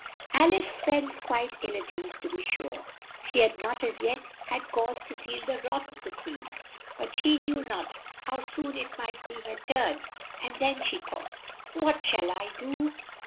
Al ice felt quite ill at ease; to be sure, she had not as yet had cause to feel the wrath of the Queen, but she knew not how soon it might be her turn; "and then," she thought, "what shall I do?"